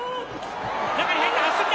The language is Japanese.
中に入った。